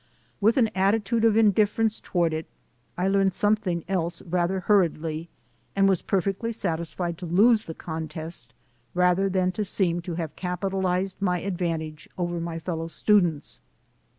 With an attitude of indifference toward it, I learned something else rather hurriedly, and was perfectly satisfied to lose the contest, rather than to seem to have capitalized my advantage over my fellow stu dents.